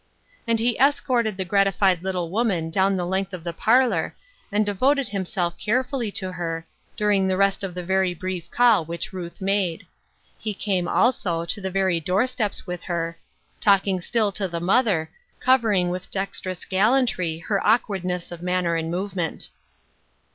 And he escorted the gratified little woman down the length of the parlor, and devoted him self carefully to her, during the rest of the very brief call which Ruth made. He came, also, to the very door steps with her, talking still to the 160 Ruth Erskine's Crosses, mother, covering with dextrous gallantry her awkwardness of manner and mo\'ement.